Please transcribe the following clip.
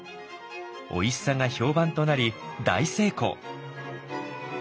おいしさが評判となり大成功。